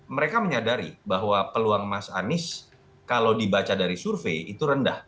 mereka menyadari bahwa peluang mas anies kalau dibaca dari survei itu rendah